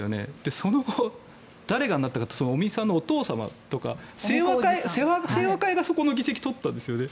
その後、誰がなったかって尾身さんのお父様とか清和会がそこの議席を取ったんですよね。